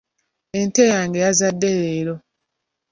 Ente yange yazadde leero.